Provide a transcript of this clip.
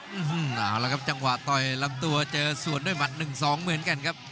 อีฮือจังหวะตอบลำตัวสวนด้วยมหาทริป๑๒เหมือนกันครับ